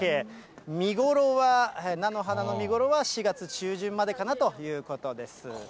見頃は、菜の花の見頃は４月中旬までかなということです。